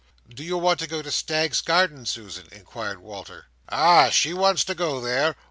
"Do you want to go to Staggs's Gardens, Susan?" inquired Walter. "Ah! She wants to go there!